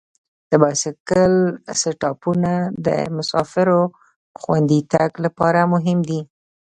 د بایسکل سټاپونه د مسافرو خوندي تګ لپاره مهم دي.